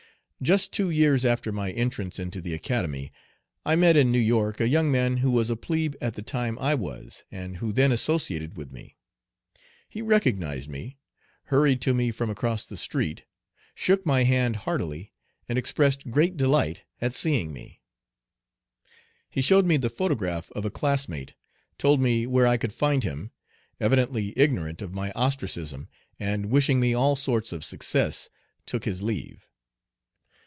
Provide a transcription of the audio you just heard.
Just two years after my entrance into the Academy, I met in New York a young man who was a plebe at the time I was, and who then associated with me. He recognized me, hurried to me from across the street, shook my hand heartily, and expressed great delight at seeing me. He showed me the photograph of a classmate, told me where I could find him, evidently ignorant of my ostracism, and, wishing me all sorts of success, took his leave.